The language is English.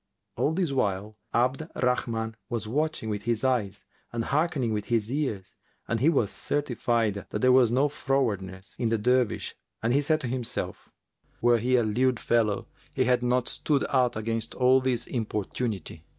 All this while Abd al Rahman was watching with his eyes and hearkening with his ears, and he was certified that there was no frowardness in the Dervish and he said to himself, "Were he a lewd fellow, he had not stood out against all this importunity."